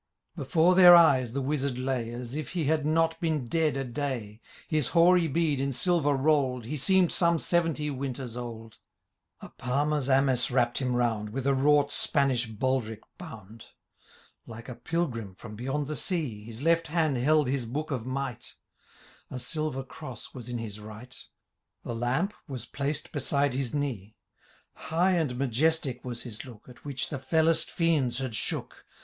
Before their eyes the Wizard lay. As if he had not been dead a day His hoaiy beard in silver rolled. He seemed some seventy winters old ; A palmer^s amice wrapped him round. With a wrought Spanish baldric bound. Like a pilgrim from beyond the sea : His left hand held his Book of Might ;' [Orii^.— A harfnm thence tbe warrior took.} Digitized by VjOOQIC 54 TUB LAY OP Cauto li, A silver cross was in his right ; The lamp was placed beside his kneo : High and majestic was his look. At which the fellest fiends had shook.